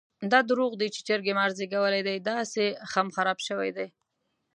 دا درواغ دي چې چرګې مار زېږولی دی؛ داهسې خم خراپ شوی دی.